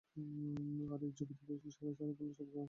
আর এই যুবতী বয়সে সাদা শাড়ি পড়লে, সব গ্রাহক এমনিই চলে যাবে।